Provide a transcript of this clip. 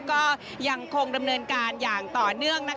ก็ยังคงดำเนินการอย่างต่อเนื่อง